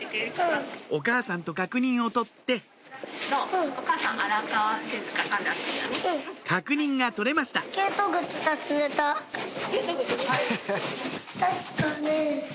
お母さんと確認を取って確認が取れましたたしかね。